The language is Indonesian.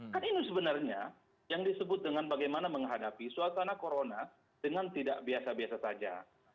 kan ini sebenarnya yang disebut dengan bagaimana menghadapi suasana corona dengan tidak biasa biasa saja